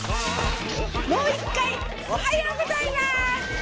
もう１かいおはようございます！